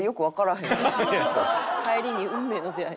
「帰りに運命の出会い」。